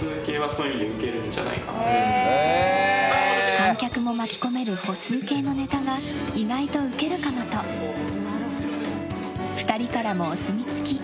観客も巻き込める歩数計のネタが意外とウケるかもと２人からもお墨付き。